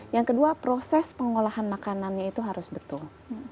yang kedua proses pengolahan makanannya itu harus betul